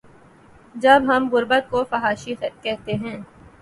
جب ہم غربت کو فحاشی کہتے ہیں۔